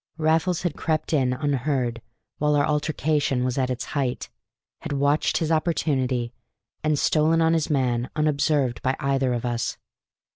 Raffles had crept in unheard while our altercation was at its height, had watched his opportunity, and stolen on his man unobserved by either of us.